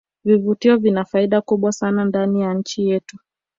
vivutio vina faida kubwa sana ndani ya nchi yetu